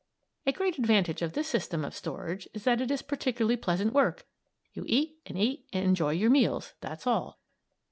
A great advantage of this system of storage is that it is particularly pleasant work you eat and eat and enjoy your meals, that's all.